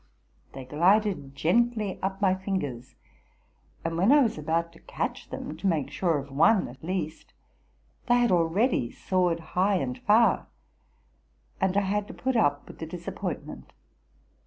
They glided gently up my fingers : and when I was about to catch them, to make sure of one at least, they had already soared high and far; and I had to put up with the disappointment.